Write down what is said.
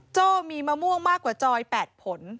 โจ้มีมะม่วงมากกว่าจอย๘ผล